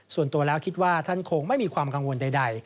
ส่วนตัวแล้วคิดว่าท่านคงไม่มีความกังวลใด